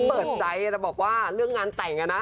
เปิดใจแล้วบอกว่าเรื่องงานแต่งนะ